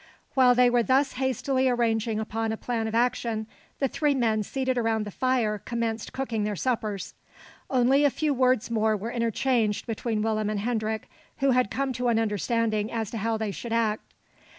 While they were thus hastily arranging upon a plan of action, the three men seated around the fire commenced cooking their suppers. Only a few words more were interchanged between Willem and Hendrik, who had come to an understanding as to how they should act.